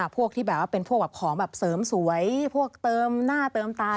พวกที่เป็นผ้ามสิวะเสริมสวยเติมหน้าเติมตา